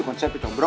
itu konsep itu bro